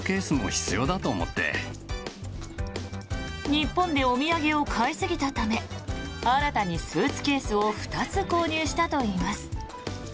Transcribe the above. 日本でお土産を買いすぎたため新たにスーツケースを２つ購入したといいます。